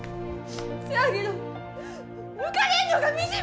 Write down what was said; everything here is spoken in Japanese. せやけど抜かれんのがみじめやねん！